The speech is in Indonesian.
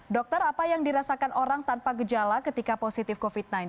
dokter apa yang dirasakan orang tanpa gejala ketika positif covid sembilan belas